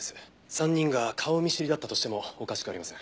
３人が顔見知りだったとしてもおかしくありません。